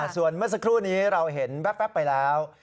ส่วนเมื่อสักครู่นี้เราเห็นแว๊บไปแล้ว